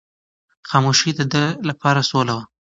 خاموشي د ده لپاره سوله وه.